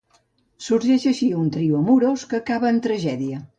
Sorgeix així un trio amorós que acaba en tragèdia.